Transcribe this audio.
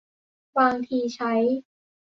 บางทีใช้